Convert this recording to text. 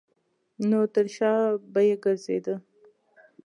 نو تر شا به یې ګرځېده.